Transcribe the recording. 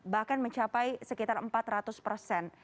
bahkan mencapai sekitar empat ratus persen